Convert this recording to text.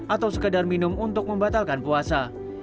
atau sekedar minum untuk membatalkan puasa